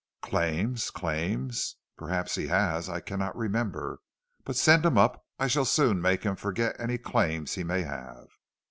"'Claims? claims? Perhaps he has; I cannot remember. But send him up; I shall soon make him forget any claims he may have.'